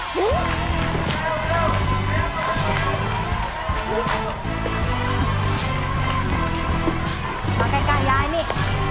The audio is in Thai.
มากันกันย้ายนี่